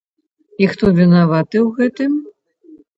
І хто вінаваты ў гэтым?